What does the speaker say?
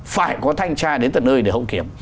phải có thanh tra đến tận nơi để hậu kiểm